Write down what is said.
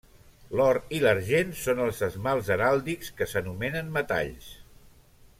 L'or i l'argent són els esmalts heràldics que s'anomenen metalls.